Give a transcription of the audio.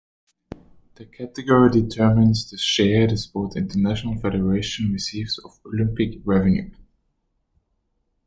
The category determines the share the sport's International Federation receives of Olympic revenue.